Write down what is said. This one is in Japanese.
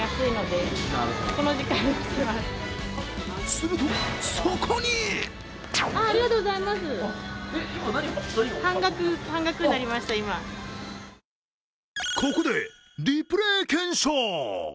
すると、そこにここでリプレー検証！